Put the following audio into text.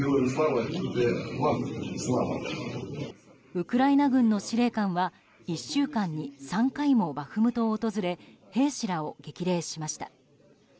ウクライナ軍の司令官は１週間に３回もバフムトを訪れ兵士らを激励しました。